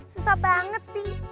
susah banget sih